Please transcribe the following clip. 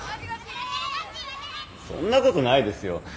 そんな事ないですよ。